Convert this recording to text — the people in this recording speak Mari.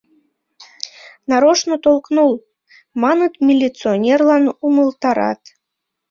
— Нарочно толкнул! — маныт, милиционерлан умылтарат.